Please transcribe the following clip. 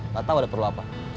gak tau ada perlu apa